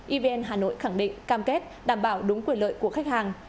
evn hà nội khẳng định cam kết đảm bảo đúng quyền lợi của khách hàng